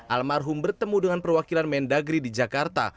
almarhum bertemu dengan perwakilan mendagri di jakarta